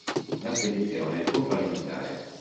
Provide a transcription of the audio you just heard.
La spedizione fu fallimentare.